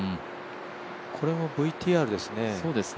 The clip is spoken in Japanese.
これもＶＴＲですね。